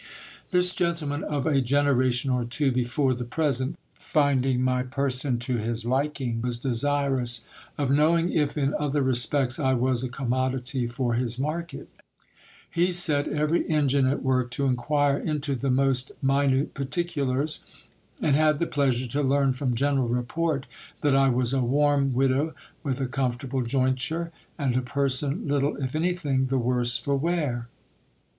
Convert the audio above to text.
This gentleman of a generation or two before the present, finding my person to his liking, was desirous of knowing if in other respects I was a commodity for his markec. He set every engine at work to inquire into the most minute particulars, and had the pleasure to learn from general report, that I was a warm widow with a comfortable jointure, and a person little, if anything, the worse for wear.